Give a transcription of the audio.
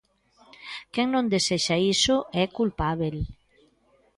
Quen non desexa iso é culpábel.